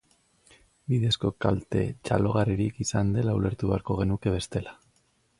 Bidezko kalte txalogarririk izan dela ulertu beharko genuke bestela.